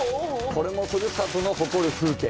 これもふるさとの誇る風景。